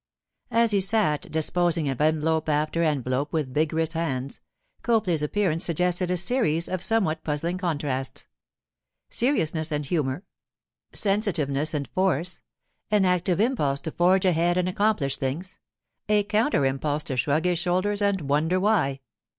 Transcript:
As he sat disposing of envelope after envelope with vigorous hands, Copley's appearance suggested a series of somewhat puzzling contrasts: seriousness and humour; sensitiveness and force—an active impulse to forge ahead and accomplish things, a counter impulse to shrug his shoulders and wonder why.